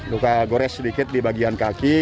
luka gores sedikit di bagian kaki